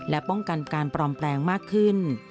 และป้องกันการปลอมแปลงมากขึ้น